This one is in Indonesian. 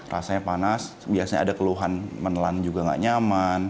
rasanya panas biasanya ada keluhan menelan juga nggak nyaman